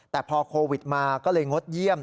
แต่พอโควิดมาก็เลยงดเยี่ยม